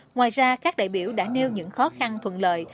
ngoài ra các đại biểu đã nêu những khó khăn thuận lợi